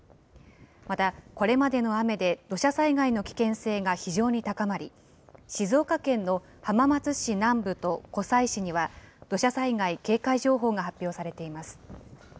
また、これまでの雨で土砂災害の危険性が非常に高まり、静岡県の浜松市南部と湖西市には、土砂災害警戒情報が発表されています。